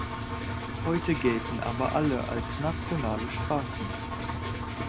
Heute gelten aber alle als nationale Straßen.